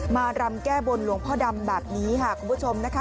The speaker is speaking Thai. รำแก้บนหลวงพ่อดำแบบนี้ค่ะคุณผู้ชมนะคะ